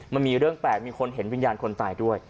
มันมีเรื่องแปลกมีคนเห็นวิญญาณคนตายด้วย